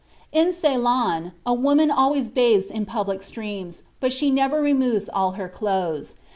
"In Ceylon, a woman always bathes in public streams, but she never removes all her clothes.